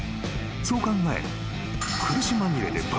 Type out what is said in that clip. そう考え］